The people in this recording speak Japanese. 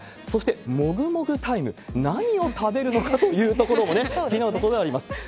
そして、もぐもぐタイム、何を食べるのかというところもね、気になるところではあります。